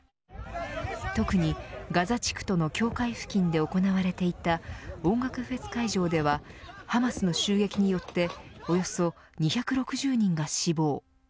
特にガザ地区との境界付近で行われていた音楽フェス会場ではハマスの襲撃によっておよそ２６０人が死亡。